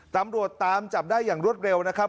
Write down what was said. ตำรวจตามจับได้อย่างรวดเร็วนะครับ